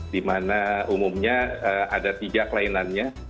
di mana umumnya ada tiga kelainannya